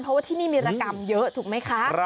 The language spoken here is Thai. เพราะว่าที่นี่มีรกรรมเยอะถูกไหมคะ